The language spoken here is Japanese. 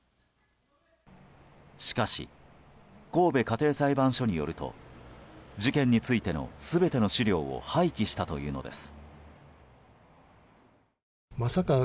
しかし、神戸家庭裁判所によると事件についての全ての資料を廃棄したというのです。